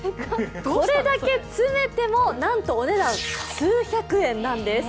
これだけ詰めてもなんとお値段数百円なんです。